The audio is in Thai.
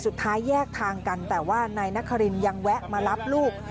สุดท้ายแยกทางกันแต่ว่านายนครินยังแวะมารับลูก